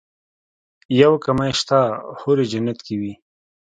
يو کمی شته حورې جنت کې وي.